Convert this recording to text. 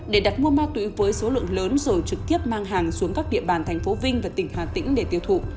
để đặt mua ma túy với số lượng lớn rồi trực tiếp mang hàng xuống các địa bàn thành phố vinh và tỉnh hà tĩnh để tiêu thụ